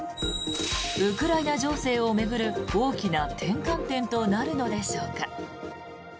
ウクライナ情勢を巡る大きな転換点となるのでしょうか。